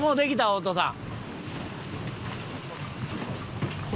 お父さん。